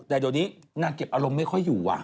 แต่เดี๋ยวนี้นางเก็บอารมณ์ไม่ค่อยอยู่ว่ะ